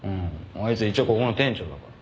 あいつ一応ここの店長だから。